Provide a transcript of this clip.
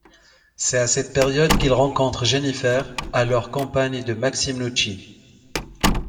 C'est à cette période qu'il rencontre Jenifer, alors compagne de Maxim Nucci.